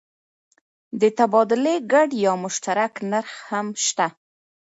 د تبادلې ګډ یا مشترک نرخ هم شته.